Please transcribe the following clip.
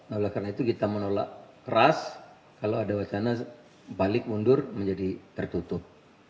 oleh karena itu kita menolak keras kalau ada wacana balik mundur menjadi tertutup